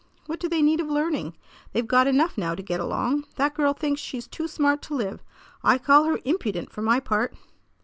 What do they need of learning? They've got enough now to get along. That girl thinks she's too smart to live. I call her impudent, for my part!"